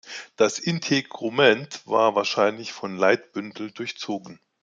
Das Integument war wahrscheinlich von Leitbündeln durchzogen.